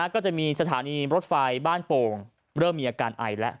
ก็จะมีสถานีรถไฟบ้านโป่งเริ่มมีอาการไอแล้ว